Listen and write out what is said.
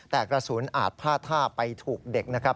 แต่กระสุนอาจพลาดท่าไปถูกเด็กนะครับ